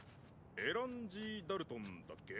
エラン・ジー・ダルトンだっけ？